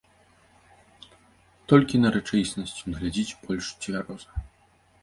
Толькі на рэчаіснасць ён глядзіць больш цвяроза.